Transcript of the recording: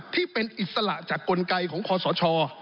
ที่เป็นอิสระจากกลไกของคอสช